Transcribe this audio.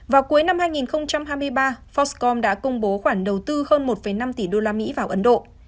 vào cuối năm hai nghìn hai mươi ba foxcom đã công bố khoản đầu tư hơn một năm tỷ usd vào ấn độ